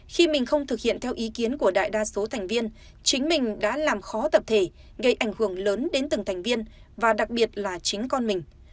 khi mình không thực hiện theo ý kiến của đại đa số thành viên chính mình đã làm khó tập thể gây ảnh hưởng lớn đến từng thành viên và đặc biệt là chính con mình